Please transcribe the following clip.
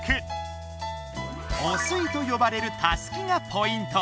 「オスイ」とよばれるたすきがポイント。